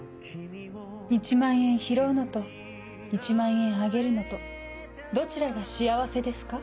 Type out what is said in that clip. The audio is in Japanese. １万円拾うのと１万円あげるのとどちらが幸せですか？